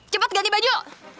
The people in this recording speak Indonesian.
cepet ganti baju